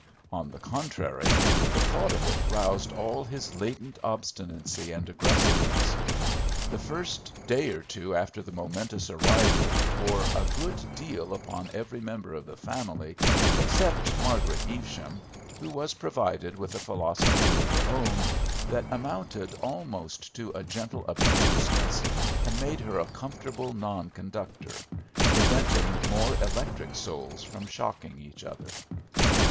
On the contrary, the thought of it roused all his latent obstinacy and aggressiveness. The first day or two after the momentous arrival wore a good deal upon every member of the family, except Margaret Evesham, who was provided with a philosophy of her own, that amounted almost to a gentle obtuseness and made her a comfortable non conductor, preventing more electric souls from shocking each other.